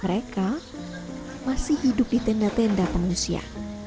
mereka masih hidup di tenda tenda pengusia